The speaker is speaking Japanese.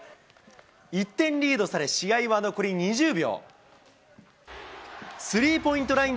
１点リードされ、試合は残り２０秒。